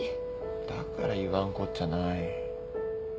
だから言わんこっちゃない。